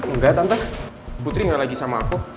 enggak tante putri enggak lagi sama aku